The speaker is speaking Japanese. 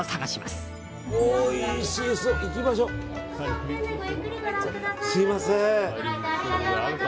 すみません。